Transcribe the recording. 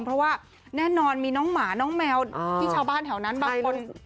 เพราะว่าแน่นอนมีน้องหมาน้องแมวที่ชาวบ้านแถวนั้นบางคน